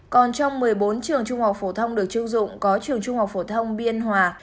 còn trong một mươi bốn trường trung học phổ thông được chương dụng có trường trung học phổ thông biên hòa